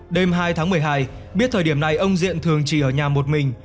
đêm hai tháng một mươi hai biết thời điểm này ông diện thường chỉ ở nhà một mình